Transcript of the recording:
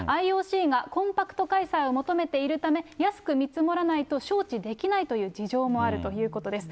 ＩＯＣがコンパクト開催を求めているため、安く見積もらないと招致できないという事情もあるということです。